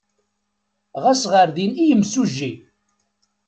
Ɣas ɣer-d i yemsujji.